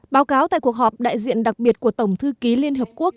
báo cáo tại cuộc họp đại diện đặc biệt của tổng thư ký liên hợp quốc